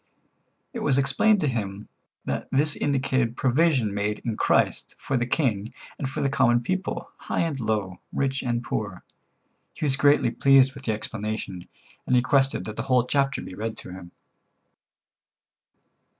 It was explained to him that this indicated provision made in Christ for the king and for the common people, high and low, rich and poor. He was greatly pleased with the explanation, and requested that the whole chapter be read to him.